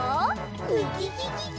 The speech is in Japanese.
ウキキキ！